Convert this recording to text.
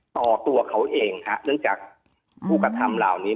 ต่อตัวเขาเองค่ะเนื่องจากภูกษาธรรมเหล่านี้